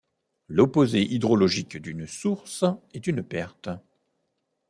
L'opposé hydrologique d'une source est une perte.